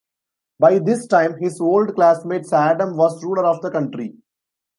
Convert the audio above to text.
By this time, his old classmate Saddam was ruler of the country.